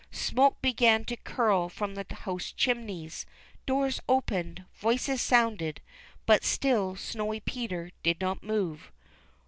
Smoke began to curl from the house chimneys, doors opened, voices sounded, but still Snowy Peter did not move.